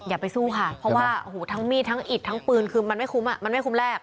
อย่าไปสู้ค่ะเพราะว่าโอ้โหทั้งมีดทั้งอิดทั้งปืนคือมันไม่คุ้มมันไม่คุ้มแรก